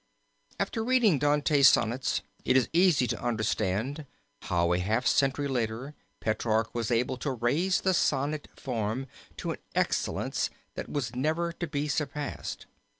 After reading Dante's sonnets it is easy to understand how a half century later Petrarch was able to raise the sonnet form to an excellence that was never to be surpassed.